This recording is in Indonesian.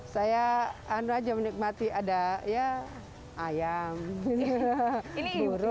saya hanya aja menikmati ada ayam burung